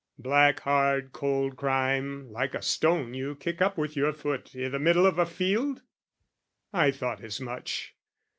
Black hard cold Crime like a stone you kick up with your foot I' the middle of a field? I thought as much.